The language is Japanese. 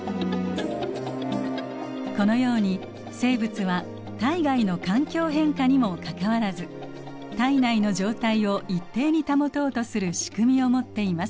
このように生物は体外の環境変化にもかかわらず体内の状態を一定に保とうとする仕組みを持っています。